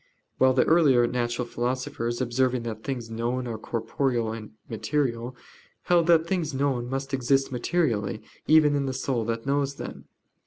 While the earlier natural philosophers, observing that things known are corporeal and material, held that things known must exist materially even in the soul that knows them.